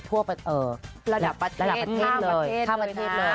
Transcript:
เออทั่วประเทศระดับประเทศเลยข้ามประเทศเลย